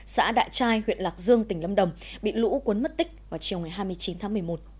xã đại trai huyện lạc dương tỉnh lâm đồng bị lũ cuốn mất tích vào chiều hai mươi chín tháng một mươi một